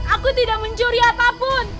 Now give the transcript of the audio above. aku tidak mencuri apapun